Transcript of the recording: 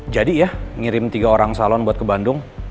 jadi ya ngirim tiga orang salon buat ke bandung